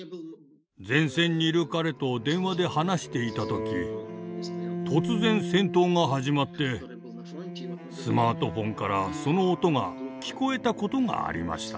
前線にいる彼と電話で話していた時突然戦闘が始まってスマートフォンからその音が聞こえたことがありました。